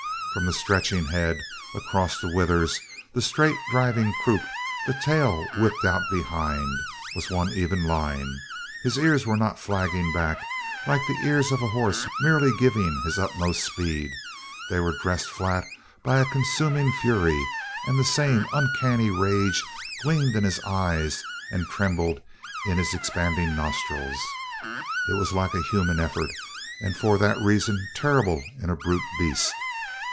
From the stretching head, across the withers, the straight driving croup, the tail whipped out behind, was one even line. His ears were not flagging back like the ears of a horse merely giving his utmost of speed; they were dressed flat by a consuming fury, and the same uncanny rage gleamed in his eyes and trembled in his expanding nostrils. It was like a human effort and for that reason terrible in a brute beast.